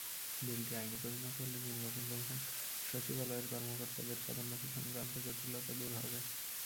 বিলটি আইনে পরিণত হলে নির্বাচন কমিশন সচিবালয়ের কর্মকর্তাদের পদোন্নতি-সংক্রান্ত জটিলতা দূর হবে।